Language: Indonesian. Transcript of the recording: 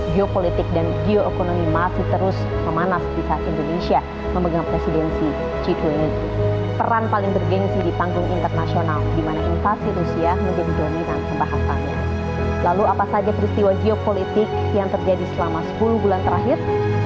geopolitik yang terjadi selama sepuluh bulan terakhir